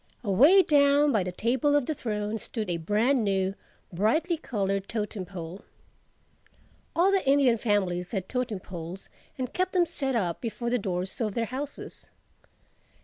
Away down by the Table of the Throne stood a brand new, brightly colored totem pole. All the Indian families had totem poles and kept them set up before the doors of their houses.